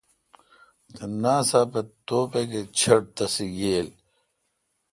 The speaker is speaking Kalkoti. تے ناساپ اے°توبک اے چھٹ تسے°ییل۔